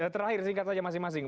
terakhir singkat saja masing masing